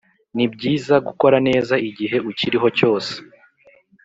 nibyiza gukora neza igihe ukiriho cyose